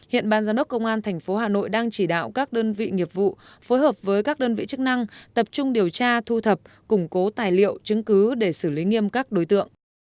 hiện ban giám đốc công an tp hà nội đang chỉ đạo các đơn vị nghiệp vụ phối hợp với các đơn vị chức năng tập trung điều tra thu thập củng cố tài liệu chứng cứ để xử lý nghiêm các đối tượng